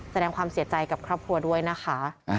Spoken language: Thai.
แสดงความเสียใจกับครอบครัวด้วยนะคะ